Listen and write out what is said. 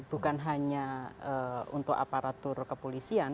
bukan hanya untuk aparatur kepolisian